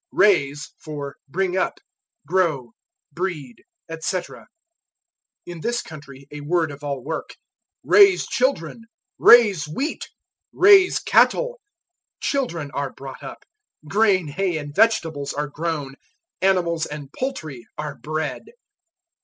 Raise for Bring up, Grow, Breed, etc. In this country a word of all work: "raise children," "raise wheat," "raise cattle." Children are brought up, grain, hay and vegetables are grown, animals and poultry are bred.